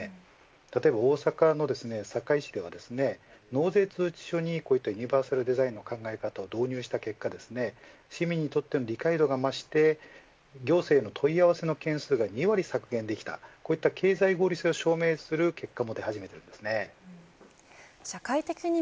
例えば大阪の堺市では納税通知書のデザインにユニバーサルデザインの考え方を導入した結果市民にとっての理解度が増して行政への問い合わせの件数が２割削減できたこういった経済合理性を証明する結果も出始めています。